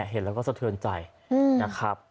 เห็นแล้วก็สะเทือนใจนะครับ